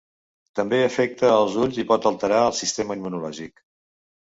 També afecta els ulls i pot alterar el sistema immunològic.